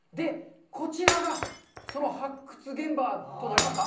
こちらがその発掘現場となりますか？